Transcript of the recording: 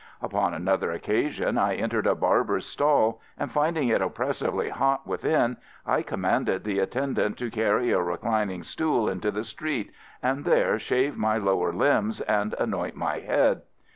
Upon another occasion I entered a barber's stall, and finding it oppressively hot within, I commanded the attendant to carry a reclining stool into the street and there shave my lower limbs and anoint my head.